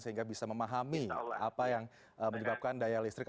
sehingga bisa memahami apa yang menyebabkan daya listrik